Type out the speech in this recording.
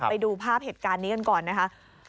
ไปดูภาพเหตุการณ์นี้กันก่อนนะคะ